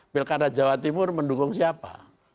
pilkada jawa timur mendukung siapa